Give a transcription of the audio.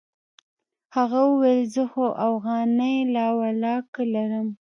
هغه وويل زه خو اوغانۍ لا ولله که لرم.